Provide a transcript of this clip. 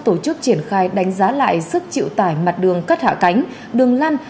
tổ chức triển khai đánh giá lại sức chịu tải mặt đường cất hạ cánh đường lăn